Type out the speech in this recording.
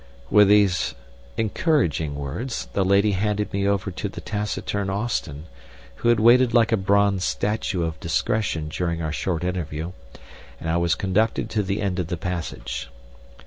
With these encouraging words the lady handed me over to the taciturn Austin, who had waited like a bronze statue of discretion during our short interview, and I was conducted to the end of the passage.